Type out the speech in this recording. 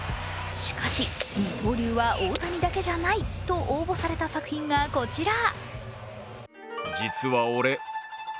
しかし、二刀流は大谷だけじゃないと応募された作品がこちら。